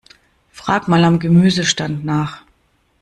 Frag mal am Gemüsestand nach.